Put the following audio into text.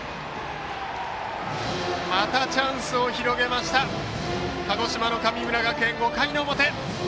またチャンスを広げました鹿児島の神村学園、５回の表。